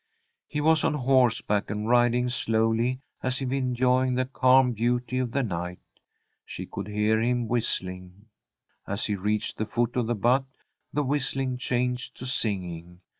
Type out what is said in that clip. He was on horseback, and riding slowly, as if enjoying the calm beauty of the night. She could hear him whistling. As he reached the foot of the butte the whistling changed to singing.